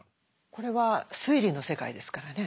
これは推理の世界ですからね。